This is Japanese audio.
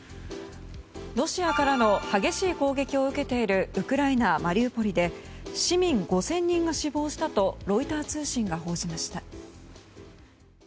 ロシアから激しい攻撃を受けているウクライナ・マリウポリで市民５０００人が死亡したとロイター通信が報じました。